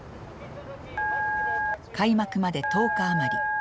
開幕まで１０日余り。